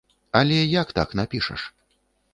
Але як так напішаш?